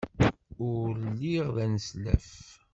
Ul lliɣ d aneslaf.